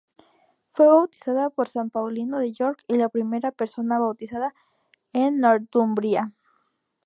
Fue bautizada por San Paulino de York y la primera persona bautizada en Northumbria.